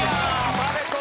パーフェクト！